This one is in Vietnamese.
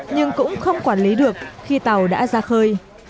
nhưng cũng không quản lý được khi tàu đã ra khơi